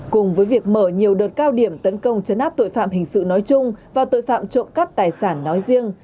cùng với việc mở nhiều đợt cao điểm tấn công chấn áp tội phạm hình sự nói chung và tội phạm trộm cắp tài sản nói riêng